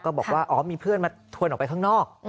ก็บอกว่ามีเพื่อนมัดถึงออกไปข้างนอก